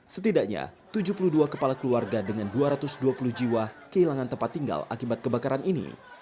setidaknya tujuh puluh dua kepala keluarga dengan dua ratus dua puluh jiwa kehilangan tempat tinggal akibat kebakaran ini